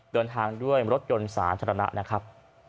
เดินทางด้วยรถยนต์สาธารณะนะครับ